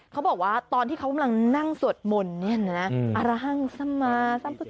เขาบอกว่าตอนที่เขามันนั่งสวดมนต์เนี่ยนะอร่างสมาสม